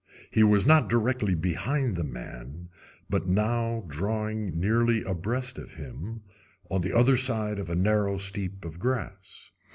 He was not directly behind the man, but now drawing nearly abreast of him, on the other side of the narrow steep of grass.